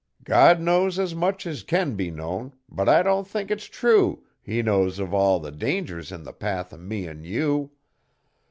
God knows as much as can be known, but I don't think it's true He knows of all the dangers in the path o' me an' you.